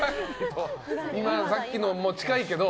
今さっきのも近いけど。